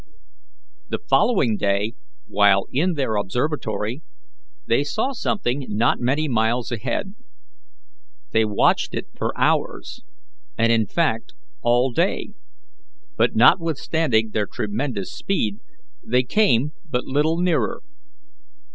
The following day, while in their observatory, they saw something not many miles ahead. They watched it for hours, and in fact all day, but notwithstanding their tremendous speed they came but little nearer.